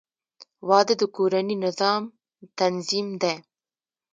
• واده د کورني نظام تنظیم دی.